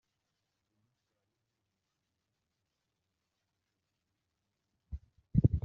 Luis Suarez yishimira igitego cyahesheje ikipe ye intsinzi.